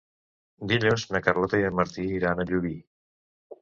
Dilluns na Carlota i en Martí iran a Llubí.